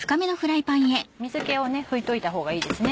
水気を拭いておいたほうがいいですね